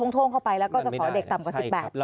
โ่งเข้าไปแล้วก็จะขอเด็กต่ำกว่า๑๘